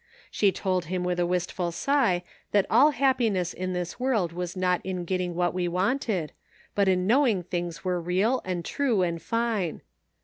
She told him with a wistful sigh that all happiness in this world was not in getting what we wanted, but in knowing things were real and true and fine.